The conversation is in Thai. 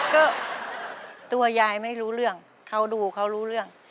ก็ตัวยายไม่รู้เรื่องเขาดูเขารู้เรื่อง